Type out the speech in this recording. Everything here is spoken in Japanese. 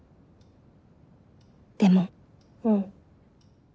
でもうん。